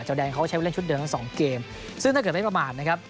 แดงเขาใช้ผู้เล่นชุดเดิมทั้งสองเกมซึ่งถ้าเกิดไม่ประมาทนะครับ